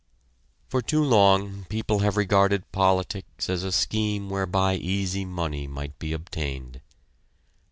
For too long people have regarded politics as a scheme whereby easy money might be obtained.